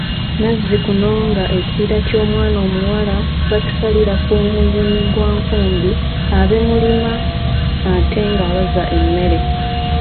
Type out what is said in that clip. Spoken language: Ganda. Nazzikuno ng'ekirira ky'omwana omuwala bakisalira ku muyini gwa nkumbi abe mulima ate ng'abaza emmere.